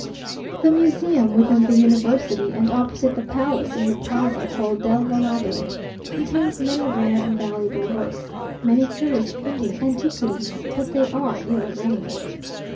The Museum within the University, and opposite the palace, in the plaza called del Volador, contains many rare and valuable works, many curious Indian antiquities, but they are ill arranged.